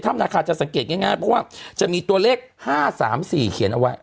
ถ้ำนาคารจะสังเกตง่ายง่ายเพราะว่าจะมีตัวเลขห้าสามสี่เขียนเอาไว้